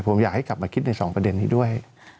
ผมอยากให้กลับมาคิดในสองประเด็นนี้ด้วย